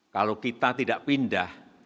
kalau kita tidak pindah